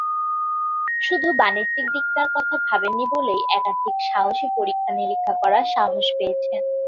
শুধু বাণিজ্যিক দিকটার কথা ভাবেননি বলেই একাধিক সাহসী পরীক্ষা-নিরীক্ষা করার সাহস পেয়েছেন।